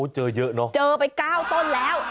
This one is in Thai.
เจอไป๙ต้นแล้ว